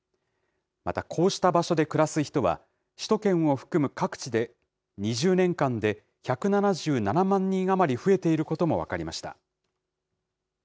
また、こうした場所で暮らす人は、首都圏を含む各地で、２０年間で１７７万人余り増えていることも分かりました。